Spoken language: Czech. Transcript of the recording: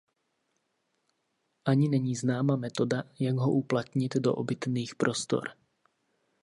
Ani není známa metoda jak ho uplatnit do obytných prostor.